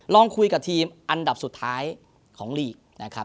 ลองคุยกับทีมอันดับสุดท้ายของลีกนะครับ